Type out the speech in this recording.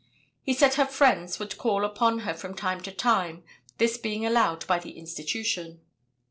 He said her friends would call upon her from time to time, this being allowed by the institution.